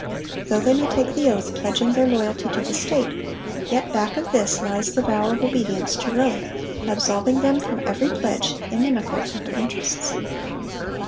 Though they may take the oath pledging their loyalty to the state, yet back of this lies the vow of obedience to Rome, absolving them from every pledge inimical to her interests.